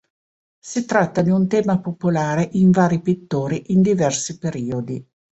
Si tratta di un tema popolare in vari pittori in diversi periodi.